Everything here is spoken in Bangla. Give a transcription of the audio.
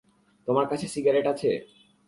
তোমার কাছে সিগারেট আছে?